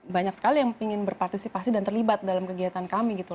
banyak sekali yang ingin berpartisipasi dan terlibat dalam kegiatan kami gitu